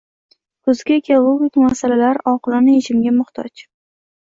Kuzgi ekologik masalalar oqilona yechimga muhtoj